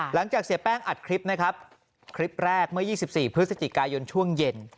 เสียแป้งอัดคลิปนะครับคลิปแรกเมื่อ๒๔พฤศจิกายนช่วงเย็น